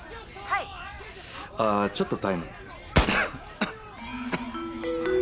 ああちょっとタイム。